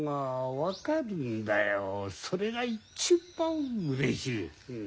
それが一番うれしい。